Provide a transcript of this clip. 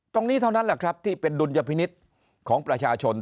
ตรงนี้เท่านั้นแหละครับที่เป็นดุลยพินิษฐ์ของประชาชน